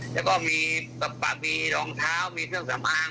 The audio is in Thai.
แล้วก็มีรองเท้ามีเครื่องสำอาง